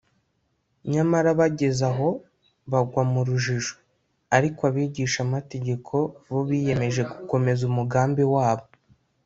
nyamara bageze aho bagwa mu rujijo; ariko abigishamategeko bo biyemeje gukomeza umugambi wabo